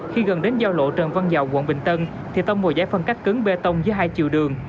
khi gần đến giao lộ trần văn dào quận bình tân thì tông bồi giải phân cắt cứng bê tông dưới hai chiều đường